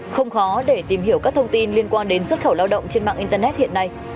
không khó để tìm hiểu các thông tin liên quan đến xuất khẩu lao động trên mạng internet hiện nay